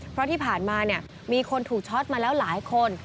เพราะที่ผ่านมามีคนถูกช็อตมาแล้วหลายคน